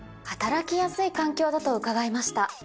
働きやすい環境だと伺いました。